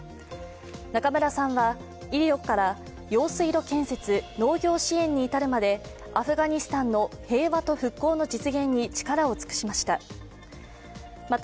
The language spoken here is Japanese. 中村さんは、医療から用水路建設、農業支援に至るまでアフガニスタンの平和と復興の実現に力を尽くしました。